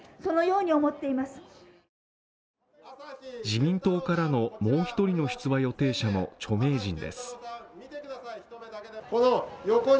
自民党からのもう一人の出馬予定者も著名人です。